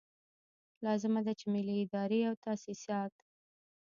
لازمه ده چې ملي ادارې او تاسیسات.